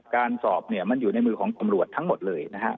การสอบมันอยู่ในมือของกำรวจทั้งหมดเลย